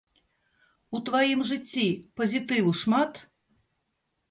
У тваім жыцці пазітыву шмат?